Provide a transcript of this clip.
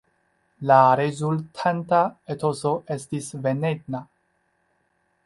La rezultanta etoso estis venena.